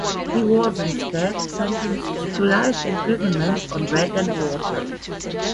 He was instead, sentenced to life imprisonment on bread and water.